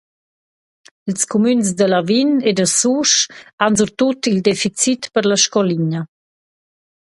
Ils cumüns da Lavin e da Susch han surtut il deficit per la scoulina.